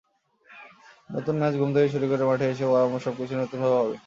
নতুন ম্যাচে ঘুম থেকে শুরু করে মাঠে এসে ওয়ার্মআপ—সবকিছুই নতুনভাবে হবে।